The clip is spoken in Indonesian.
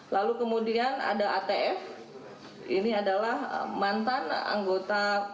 lalu kemudian ada atf ini adalah mantan anggota